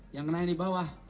yang kena ini bawah